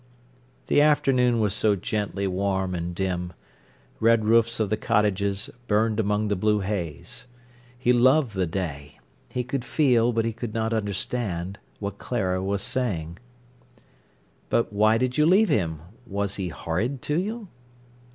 The afternoon was so gently warm and dim. Red roofs of the cottages burned among the blue haze. He loved the day. He could feel, but he could not understand, what Clara was saying. "But why did you leave him? Was he horrid to you?"